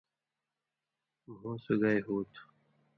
مُھو سُگائی ہوتُھو۔